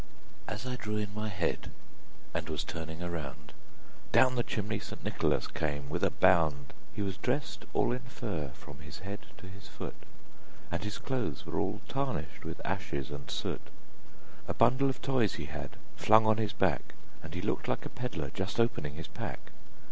As I drew in my head, and was turning around, Down the chimney St. Nicholas came with a bound. He was dressed all in fur, from his head to his foot, And his clothes were all tarnished with ashes and soot; A bundle of Toys he had flung on his back, And he looked like a peddler just opening his pack.